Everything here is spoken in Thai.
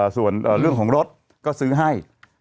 ส่วนเรื่องของรถก็ซื้อให้